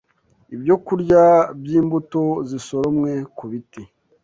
Ibyo kurya by’imbuto zisoromwe ku biti